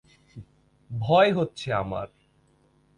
ভয় হচ্ছে আমার।